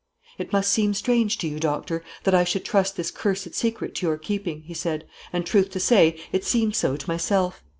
"It must seem strange to you, Doctor, that I should trust this cursed secret to your keeping," he said; "and, truth to say, it seems so to myself.